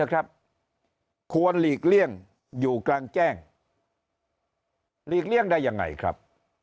ควรหลีกเลี่ยงอยู่กลางแจ้งหลีกเลี่ยงได้ยังไงครับ